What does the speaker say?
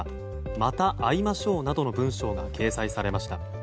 また会いましょうなどの文章が掲載されました。